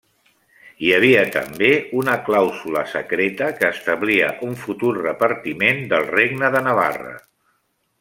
Hi havia també una clàusula secreta que establia un futur repartiment del regne de Navarra.